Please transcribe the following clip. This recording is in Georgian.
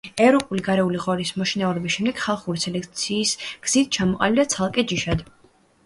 ევროპული გარეული ღორის მოშინაურების შემდეგ ხალხური სელექციის გზით ჩამოყალიბდა ცალკე ჯიშად.